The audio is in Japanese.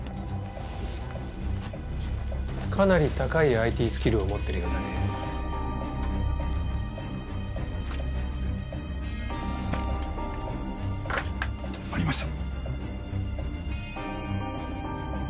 かなり高いＩＴスキルを持っているようだね。ありました！